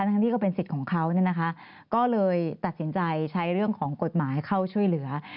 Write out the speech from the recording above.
ทั้งที่ก็เป็นสิทธิ์ของเขาเนี่ยนะคะก็เลยตัดสินใจใช้เรื่องของกฎหมายเข้าช่วยเหลือ